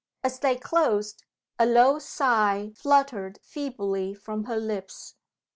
As they closed, a low sigh fluttered feebly from her lips.